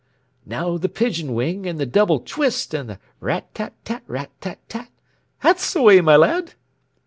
Now the pigeon wing and the double twist and the rat tat tat, rat tat tat that's the way, my lad!"